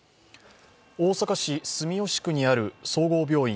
大阪市住吉区にある総合病院